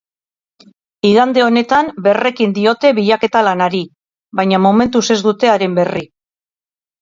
Igande honetan berrekin diote bilaketa-lanari, baina momentuz ez dute haren berri.